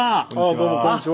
ああどうもこんにちは。